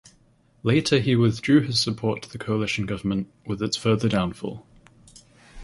Later he withdrew his support to the coalition government with its further downfall.